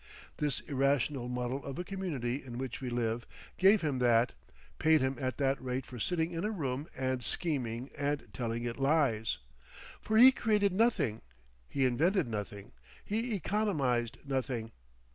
This irrational muddle of a community in which we live gave him that, paid him at that rate for sitting in a room and scheming and telling it lies. For he created nothing, he invented nothing, he economised nothing.